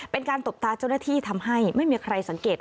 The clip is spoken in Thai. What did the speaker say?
ตบตาเจ้าหน้าที่ทำให้ไม่มีใครสังเกต